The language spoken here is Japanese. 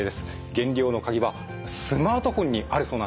減量のカギはスマートフォンにあるそうなんですね。